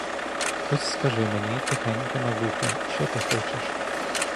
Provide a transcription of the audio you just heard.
Ось скажи мені тихенько на вухо, що ти хочеш!